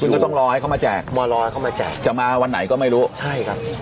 ซึ่งก็ต้องรอให้เขามาแจกมอรอให้เขามาแจกจะมาวันไหนก็ไม่รู้ใช่ครับ